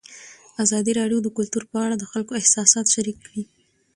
ازادي راډیو د کلتور په اړه د خلکو احساسات شریک کړي.